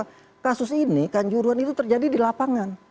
karena kasus ini kanjuruan itu terjadi di lapangan